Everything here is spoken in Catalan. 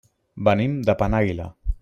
Venim de Penàguila.